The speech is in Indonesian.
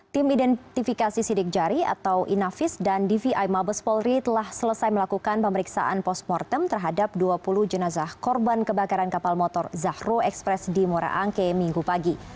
tim identifikasi sidik jari atau inavis dan dvi mabes polri telah selesai melakukan pemeriksaan postmortem terhadap dua puluh jenazah korban kebakaran kapal motor zahro express di muara angke minggu pagi